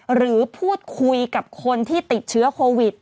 หรือพูดคุยกับคนที่ติดเชื้อโควิด